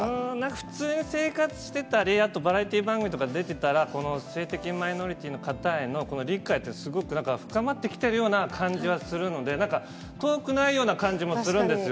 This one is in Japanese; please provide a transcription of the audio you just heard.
普通に生活してたり、あと、バラエティー番組とか出てたら、この性的マイノリティーの方への、この理解というのはすごく深まってきているような感じはするので、なんか、遠くないような感じもするんですよ。